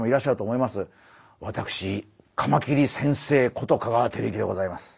私カマキリ先生こと香川照之でございます。